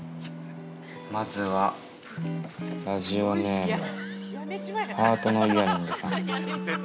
◆まずは、ラジオネームハートのイヤリングさん。